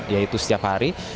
yaitu setiap hari